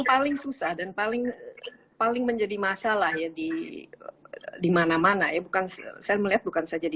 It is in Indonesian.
paling susah dan paling paling menjadi masalah ya di dimana mana ya bukan saya melihat bukan saja di